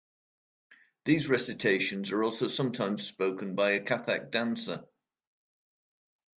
These recitations are also sometimes spoken by a Kathak dancer.